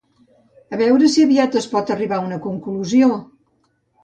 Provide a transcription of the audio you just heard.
A veure si aviat es pot arribar a una conclusió!